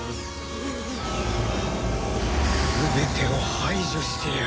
全てを排除してやる。